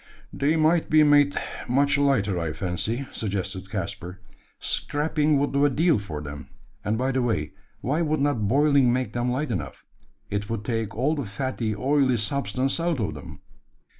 "They might be made much lighter, I fancy," suggested Caspar: "scraping would do a deal for them; and by the way, why would not boiling make them light enough? It would take all the fatty, oily substance out of them."